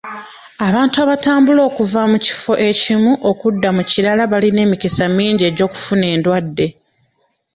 Abantu abatambula okuva mu kifo ekimu okudda mu kirala balina emikisa mingi egy'okufuna endwadde.